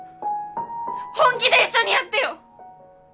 本気で一緒にやってよ！